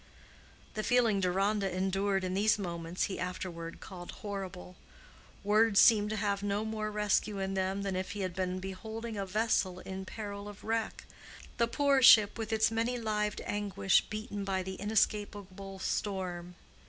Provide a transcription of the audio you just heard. The feeling Deronda endured in these moments he afterward called horrible. Words seemed to have no more rescue in them than if he had been beholding a vessel in peril of wreck—the poor ship with its many lived anguish beaten by the inescapable storm.